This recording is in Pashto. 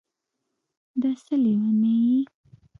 دا څه لېونی یې